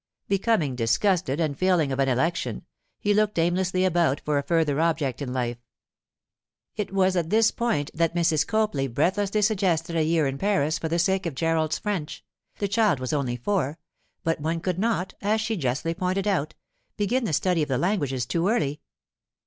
Becoming disgusted, and failing of an election, he looked aimlessly about for a further object in life. It was at this point that Mrs. Copley breathlessly suggested a year in Paris for the sake of Gerald's French; the child was only four, but one could not, as she justly pointed out, begin the study of the languages too early.